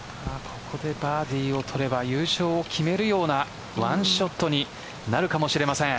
ここでバーディーを取れば優勝を決めるような１ショットになるかもしれません。